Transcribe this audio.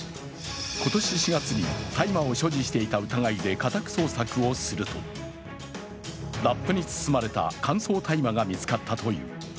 今年４月に、大麻を所持していた疑いで家宅捜索をするとラップに包まれた乾燥大麻が見つかったという。